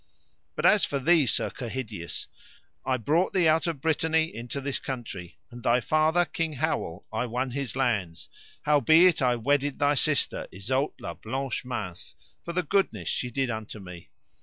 But as for thee, Sir Kehydius, I brought thee out of Brittany into this country, and thy father, King Howel, I won his lands, howbeit I wedded thy sister Isoud la Blanche Mains for the goodness she did unto me.